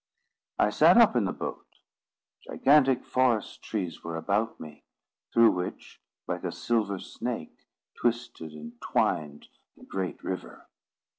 I sat up in the boat. Gigantic forest trees were about me; through which, like a silver snake, twisted and twined the great river.